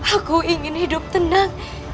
aku ingin hidup tenang